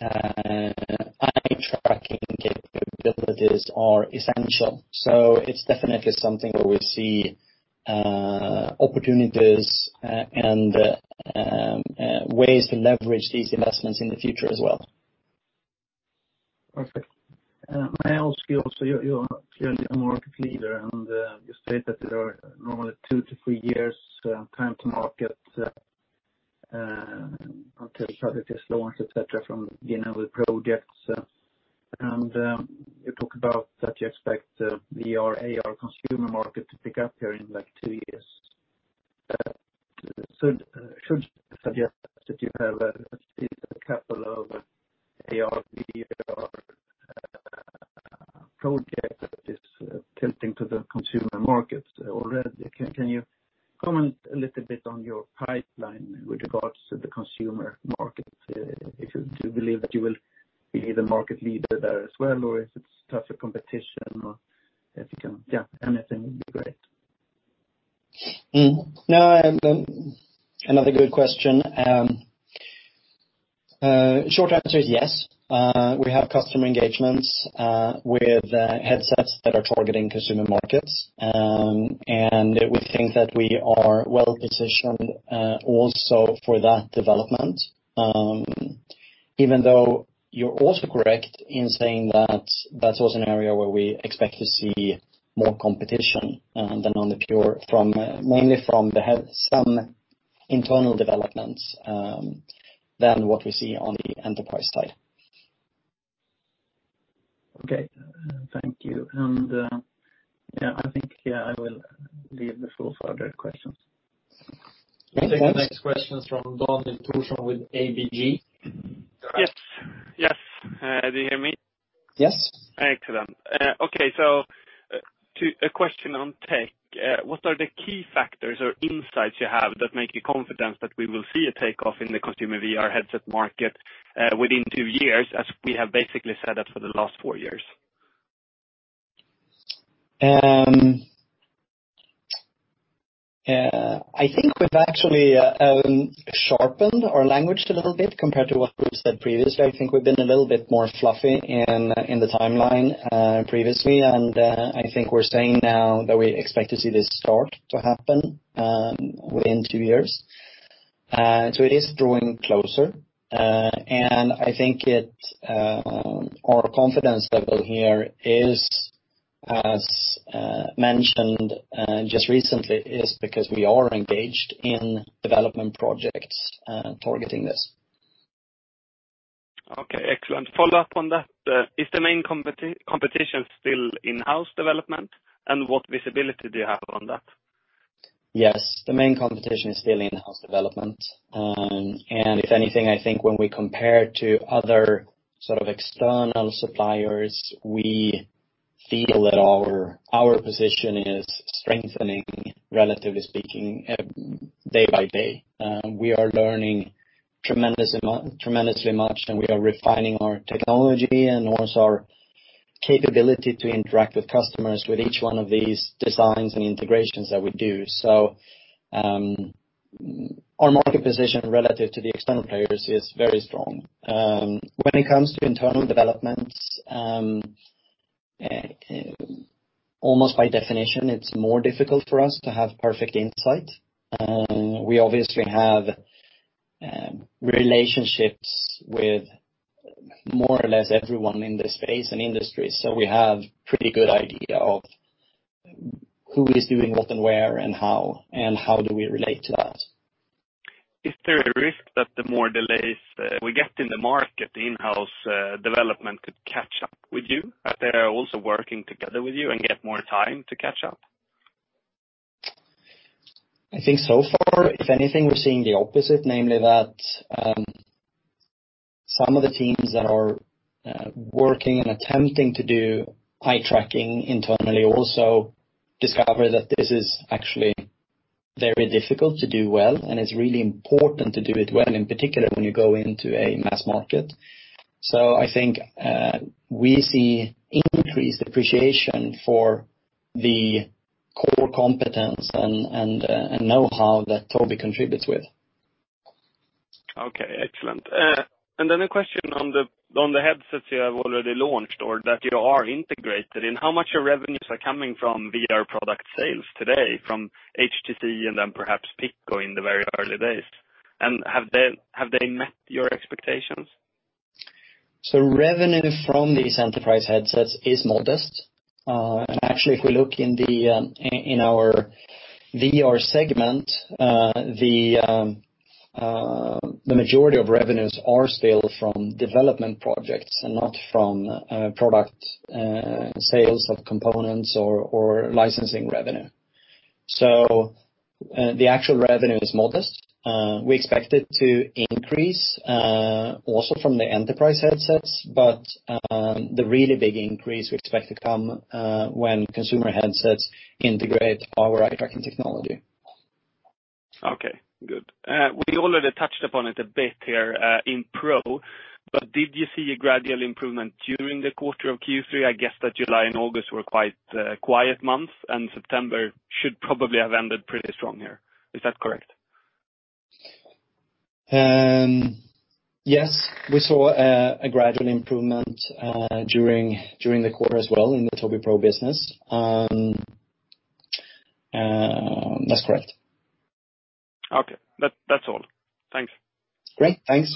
eye tracking capabilities are essential. It's definitely something where we see opportunities and ways to leverage these investments in the future as well. Perfect. May I ask you also, you are clearly a market leader. You state that there are normally 2 to 3 years time to market until a product is launched, et cetera, from getting our projects. You talk about that you expect the VR, AR consumer market to pick up here in two years. That should suggest that you have a decent couple of AR/VR projects that is tilting to the consumer market already. Can you comment a little bit on your pipeline with regards to the consumer market? If you believe that you will be the market leader there as well, or if it is tougher competition. Anything would be great. No, another good question. Short answer is yes. We have customer engagements with headsets that are targeting consumer markets. We think that we are well-positioned also for that development. Even though you're also correct in saying that that's also an area where we expect to see more competition than on the pure, mainly from some internal developments, than what we see on the enterprise side. Okay. Thank you. Yeah, I think I will leave this for further questions. We'll take the next questions from Daniel Thorsson with ABG. Yes. Do you hear me? Yes. Excellent. Okay. A question on tech. What are the key factors or insights you have that make you confident that we will see a takeoff in the consumer VR headset market within two years, as we have basically said that for the last four years? I think we've actually sharpened our language a little bit compared to what we've said previously. I think we've been a little bit more fluffy in the timeline previously. I think we're saying now that we expect to see this start to happen within two years. It is drawing closer. I think our confidence level here is, as mentioned just recently, is because we are engaged in development projects targeting this. Okay, excellent. Follow up on that. Is the main competition still in-house development? What visibility do you have on that? Yes, the main competition is still in-house development. If anything, I think when we compare to other sort of external suppliers, we feel that our position is strengthening, relatively speaking, day by day. We are learning tremendously much, and we are refining our technology and also our capability to interact with customers with each one of these designs and integrations that we do. Our market position relative to the external players is very strong. When it comes to internal developments, almost by definition, it's more difficult for us to have perfect insight. We obviously have relationships with more or less everyone in this space and industry, so we have pretty good idea of who is doing what and where, and how, and how do we relate to that. Is there a risk that the more delays we get in the market, the in-house development could catch up with you? That they are also working together with you and get more time to catch up? I think so far, if anything, we're seeing the opposite, namely that some of the teams that are working and attempting to do eye tracking internally also discover that this is actually very difficult to do well, and it's really important to do it well, in particular, when you go into a mass market. I think we see increased appreciation for the core competence and know-how that Tobii contributes with. Okay, excellent. A question on the headsets you have already launched or that you are integrated in, how much of your revenues are coming from VR product sales today from HTC and then perhaps Pico in the very early days? Have they met your expectations? Revenue from these enterprise headsets is modest. Actually, if we look in our VR segment, the majority of revenues are still from development projects and not from product sales of components or licensing revenue. The actual revenue is modest. We expect it to increase, also from the enterprise headsets, but the really big increase we expect to come when consumer headsets integrate our eye-tracking technology. Okay, good. We already touched upon it a bit here, in Tobii Pro, did you see a gradual improvement during the quarter of Q3? I guess that July and August were quite quiet months, September should probably have ended pretty strong here. Is that correct? Yes. We saw a gradual improvement during the quarter as well in the Tobii Pro business. That's correct. Okay. That's all. Thanks. Great, thanks.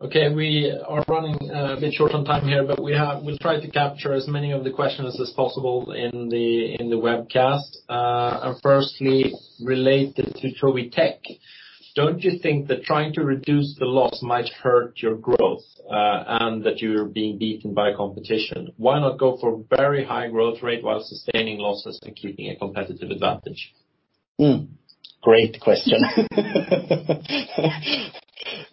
Okay, we are running a bit short on time here, we'll try to capture as many of the questions as possible in the webcast. Firstly, related to Tobii Tech, don't you think that trying to reduce the loss might hurt your growth, and that you're being beaten by competition? Why not go for very high growth rate while sustaining losses and keeping a competitive advantage? Great question.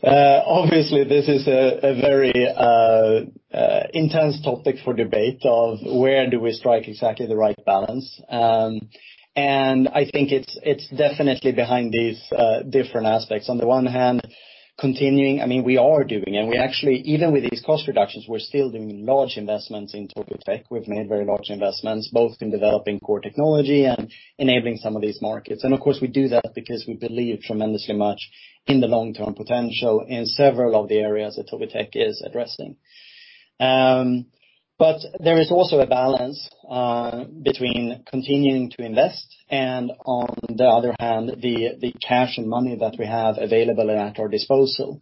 Obviously, this is a very intense topic for debate of where do we strike exactly the right balance. I think it's definitely behind these different aspects. On the one hand, continuing, we are doing, and even with these cost reductions, we're still doing large investments in Tobii Tech. We've made very large investments both in developing core technology and enabling some of these markets. Of course, we do that because we believe tremendously much in the long-term potential in several of the areas that Tobii Tech is addressing. There is also a balance between continuing to invest and on the other hand, the cash and money that we have available at our disposal.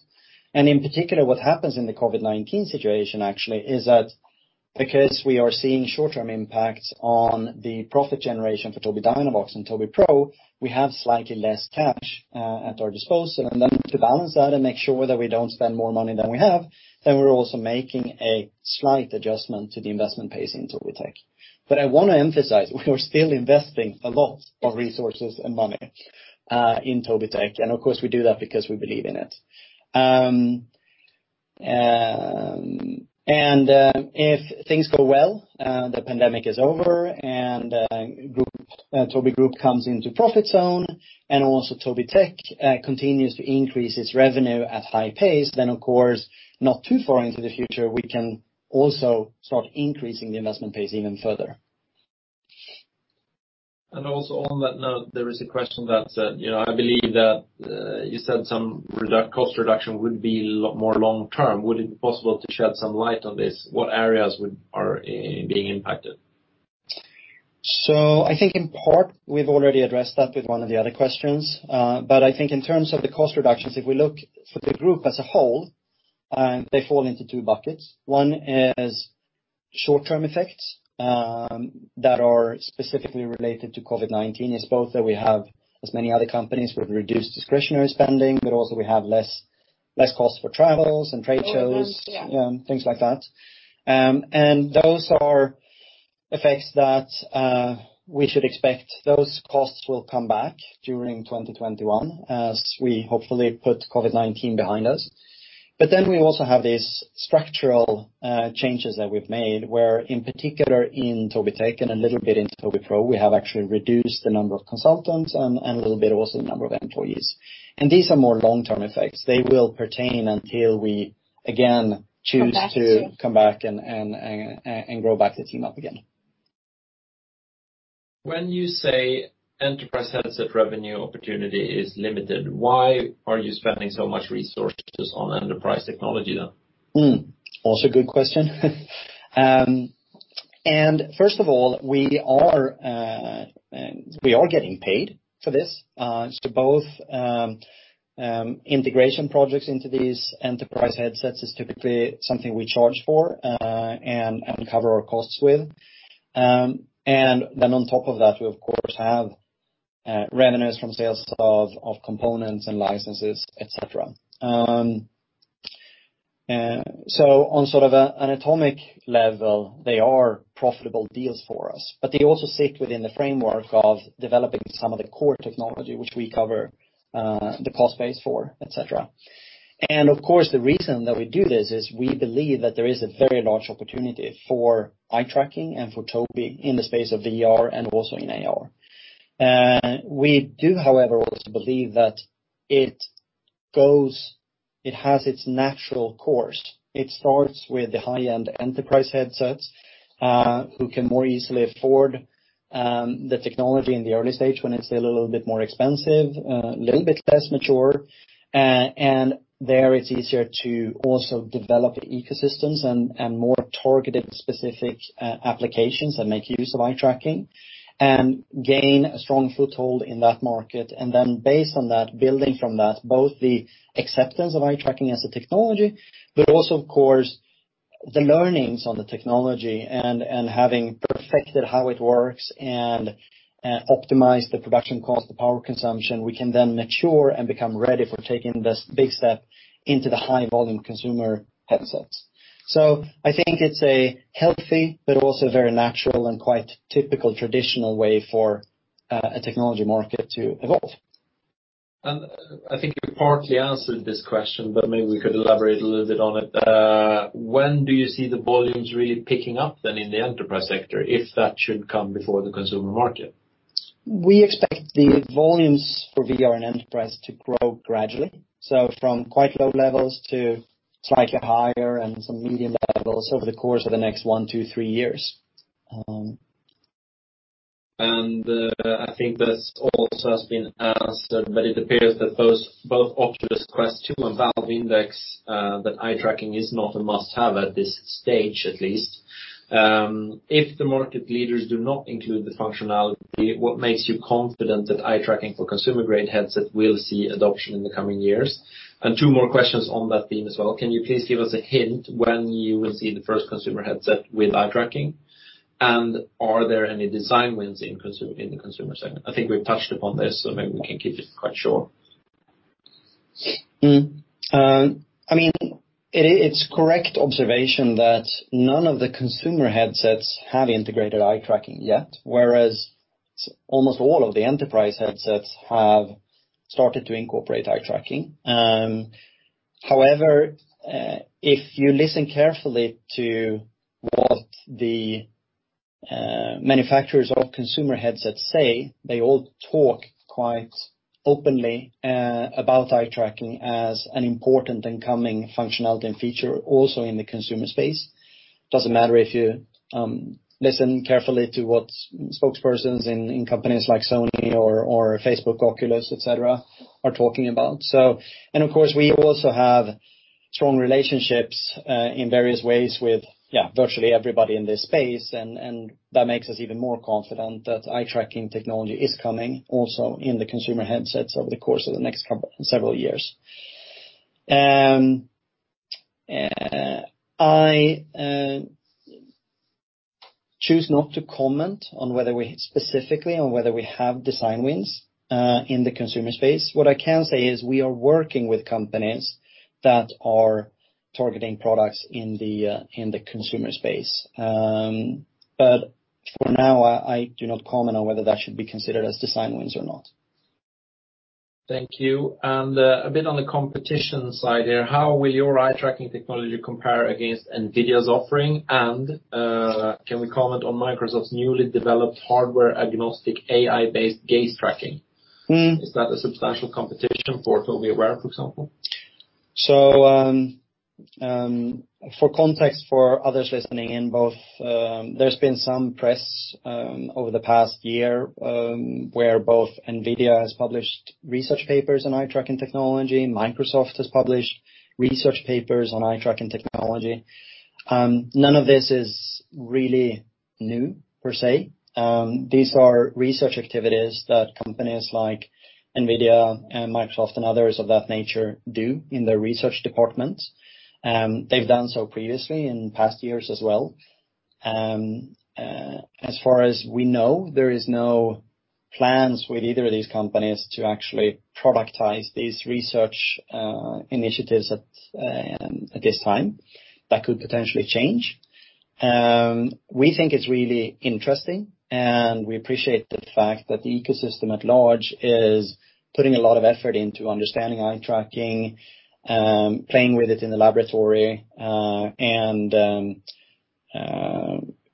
In particular, what happens in the COVID-19 situation actually, is that because we are seeing short-term impacts on the profit generation for Tobii Dynavox and Tobii Pro, we have slightly less cash at our disposal. Then to balance that and make sure that we don't spend more money than we have, we're also making a slight adjustment to the investment pace in Tobii Tech. I want to emphasize, we are still investing a lot of resources and money in Tobii Tech. Of course, we do that because we believe in it. If things go well, the pandemic is over, Tobii Group comes into profit zone, and also Tobii Tech continues to increase its revenue at high pace, of course, not too far into the future, we can also start increasing the investment pace even further. Also on that note, there is a question that said, I believe that you said some cost reduction would be more long-term. Would it be possible to shed some light on this? What areas are being impacted? I think in part, we've already addressed that with one of the other questions. I think in terms of the cost reductions, if we look for the group as a whole, they fall into two buckets. One is short-term effects, that are specifically related to COVID-19. It's both that we have, as many other companies, we've reduced discretionary spending, but also we have less cost for travels and trade shows. Events, yeah. things like that. Those are effects that we should expect. Those costs will come back during 2021 as we hopefully put COVID-19 behind us. We also have these structural changes that we've made, where, in particular in Tobii Tech and a little bit in Tobii Pro, we have actually reduced the number of consultants and a little bit also the number of employees. These are more long-term effects. They will pertain until we again choose to come back and grow back the team up again. When you say enterprise headset revenue opportunity is limited, why are you spending so much resources on enterprise technology then? Also a good question. First of all, we are getting paid for this. Both integration projects into these enterprise headsets is typically something we charge for and cover our costs with. Then on top of that, we of course have revenues from sales of components and licenses, et cetera. On sort of an atomic level, they are profitable deals for us, but they also sit within the framework of developing some of the core technology which we cover, the cost base for, et cetera. Of course, the reason that we do this is we believe that there is a very large opportunity for eye-tracking and for Tobii in the space of VR and also in AR. We do, however, also believe that it has its natural course. It starts with the high-end enterprise headsets, who can more easily afford the technology in the early stage when it's a little bit more expensive, a little bit less mature. There it's easier to also develop ecosystems and more targeted, specific applications that make use of eye-tracking and gain a strong foothold in that market. Based on that, building from that, both the acceptance of eye-tracking as a technology, but also, of course, the learnings on the technology and having perfected how it works and optimized the production cost, the power consumption, we can then mature and become ready for taking this big step into the high volume consumer headsets. I think it's a healthy but also very natural and quite typical, traditional way for a technology market to evolve. I think you partly answered this question, but maybe we could elaborate a little bit on it. When do you see the volumes really picking up then in the enterprise sector, if that should come before the consumer market? We expect the volumes for VR and enterprise to grow gradually. From quite low levels to slightly higher and some medium levels over the course of the next one, two, three years. I think this also has been asked, but it appears that both Oculus Quest 2 and Valve Index, that eye-tracking is not a must-have at this stage, at least. If the market leaders do not include the functionality, what makes you confident that eye-tracking for consumer-grade headsets will see adoption in the coming years? Two more questions on that theme as well. Can you please give us a hint when you will see the first consumer headset with eye-tracking? Are there any design wins in the consumer segment? I think we've touched upon this, so maybe we can keep it quite short. It's correct observation that none of the consumer headsets have integrated eye-tracking yet, whereas almost all of the enterprise headsets have started to incorporate eye-tracking. However, if you listen carefully to what the manufacturers of consumer headsets say, they all talk quite openly about eye-tracking as an important and coming functionality and feature also in the consumer space. Doesn't matter if you listen carefully to what spokespersons in companies like Sony or Facebook, Oculus, et cetera, are talking about. Of course, we also have strong relationships, in various ways with virtually everybody in this space, and that makes us even more confident that eye-tracking technology is coming also in the consumer headsets over the course of the next several years. I choose not to comment specifically on whether we have design wins in the consumer space. What I can say is we are working with companies that are targeting products in the consumer space. For now, I do not comment on whether that should be considered as design wins or not. Thank you. A bit on the competition side here, how will your eye tracking technology compare against NVIDIA's offering? Can we comment on Microsoft's newly developed hardware-agnostic AI-based gaze tracking? Is that a substantial competition for Tobii Aware, for example? For context for others listening in both, there's been some press over the past year, where both NVIDIA has published research papers on eye-tracking technology, Microsoft has published research papers on eye-tracking technology. None of this is really new per se. These are research activities that companies like NVIDIA and Microsoft and others of that nature do in their research departments. They've done so previously in past years as well. As far as we know, there is no plans with either of these companies to actually productize these research initiatives at this time. That could potentially change. We think it's really interesting, and we appreciate the fact that the ecosystem at large is putting a lot of effort into understanding eye tracking, playing with it in the laboratory, and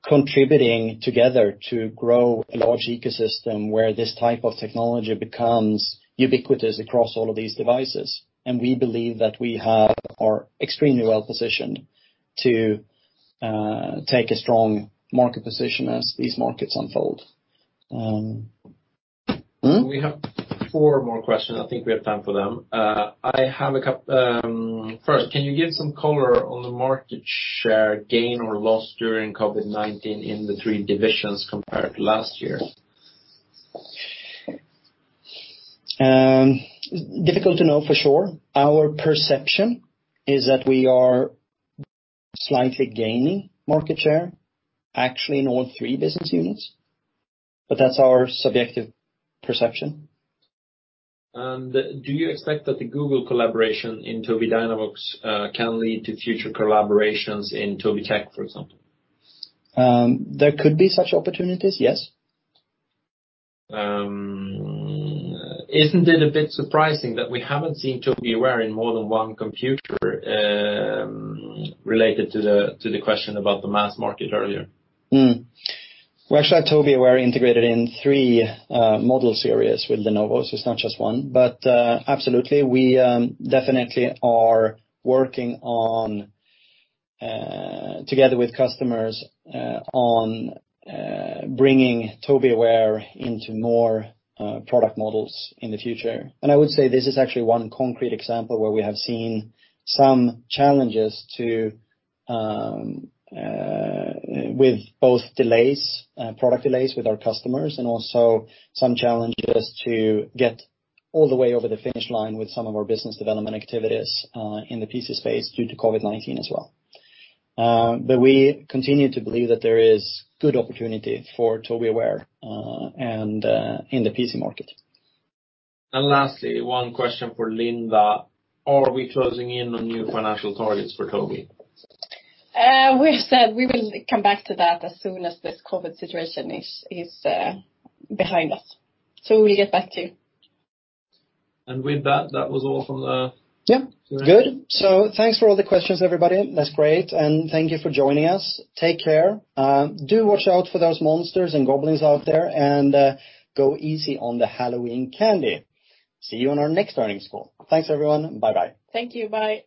contributing together to grow a large ecosystem where this type of technology becomes ubiquitous across all of these devices. We believe that we are extremely well-positioned to take a strong market position as these markets unfold. We have four more questions. I think we have time for them. First, can you give some color on the market share gain or loss during COVID-19 in the three divisions compared to last year? Difficult to know for sure. Our perception is that we are slightly gaining market share, actually in all three business units, but that's our subjective perception. Do you expect that the Google collaboration in Tobii Dynavox can lead to future collaborations in Tobii Tech, for example? There could be such opportunities, yes. Isn't it a bit surprising that we haven't seen Tobii Aware in more than one computer, related to the question about the mass market earlier? Actually, Tobii Aware integrated in three model series with Lenovo. It's not just one. Absolutely, we definitely are working on, together with customers, on bringing Tobii Aware into more product models in the future. I would say this is actually one concrete example where we have seen some challenges with both product delays with our customers and also some challenges to get all the way over the finish line with some of our business development activities in the PC space due to COVID-19 as well. We continue to believe that there is good opportunity for Tobii Aware in the PC market. Lastly, one question for Linda. Are we closing in on new financial targets for Tobii? We've said we will come back to that as soon as this COVID-19 situation is behind us. We'll get back to you. And with that, that was all from the- Yeah. Good. Thanks for all the questions, everybody. That's great, and thank you for joining us. Take care. Do watch out for those monsters and goblins out there, and go easy on the Halloween candy. See you on our next earnings call. Thanks, everyone. Bye bye. Thank you. Bye.